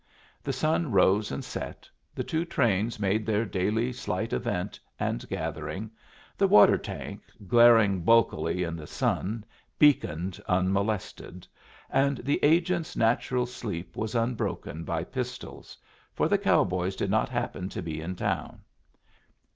The sun rose and set, the two trains made their daily slight event and gathering; the water tank, glaring bulkily in the sun beaconed unmolested; and the agent's natural sleep was unbroken by pistols, for the cow boys did not happen to be in town.